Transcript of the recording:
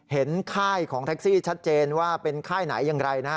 ค่ายของแท็กซี่ชัดเจนว่าเป็นค่ายไหนอย่างไรนะฮะ